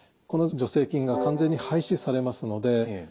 この助成金が完全に廃止されますので。